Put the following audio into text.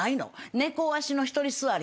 猫足の１人座り。